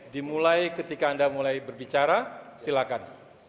dimulai ketika anda mulai berbicara silakan